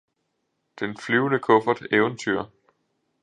Den flyvende kuffert Eventyr